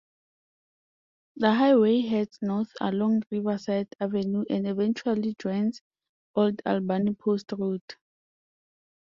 The highway heads north along Riverside Avenue and eventually joins old Albany Post Road.